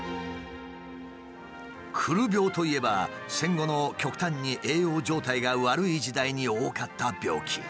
くる病といえば戦後の極端に栄養状態が悪い時代に多かった病気。